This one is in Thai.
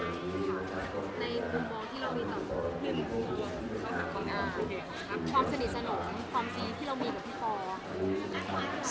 ในกลุ่มบอลที่เรามีต่อความสนิทสนองความซีที่เรามีกับพี่พ่อ